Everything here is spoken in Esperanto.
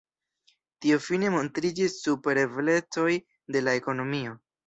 Tio fine montriĝis super eblecoj de la ekonomio.